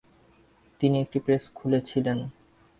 তিনি একটি প্রেস খুলেছিলেন।